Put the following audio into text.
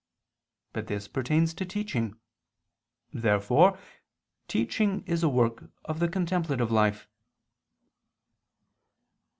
But this pertains to teaching. Therefore teaching is a work of the contemplative life.